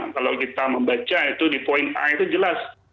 kalau kita membaca itu di poin a itu jelas